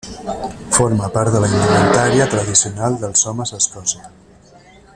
Forma part de la indumentària tradicional dels homes a Escòcia.